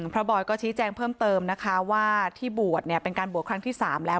บอยก็ชี้แจงเพิ่มเติมนะคะว่าที่บวชเนี่ยเป็นการบวชครั้งที่๓แล้ว